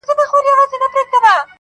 راوړې فریسو یې د تن خاوره له باګرامه